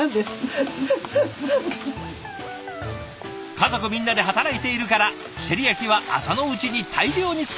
家族みんなで働いているからせり焼きは朝のうちに大量に作ってストック。